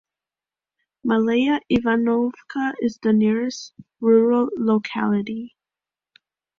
Malaya Ivanovka is the nearest rural locality.